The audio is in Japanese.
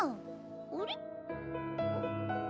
あれ？